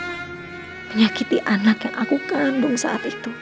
dan menggigiti anak yang aku kandung saat itu